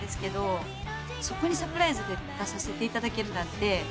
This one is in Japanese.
そこにサプライズで出させていただけるなんて。